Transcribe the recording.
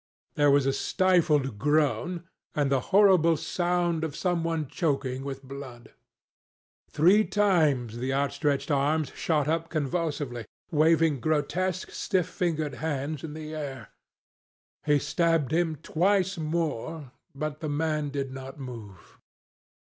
There was a stifled groan and the horrible sound of some one choking with blood. Three times the outstretched arms shot up convulsively, waving grotesque, stiff fingered hands in the air. He stabbed him twice more, but the man did not move.